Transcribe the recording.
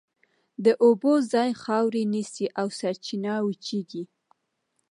د اوبو ځای خاورې نیسي او سرچینه وچېږي.